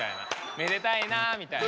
めでたいなみたいな。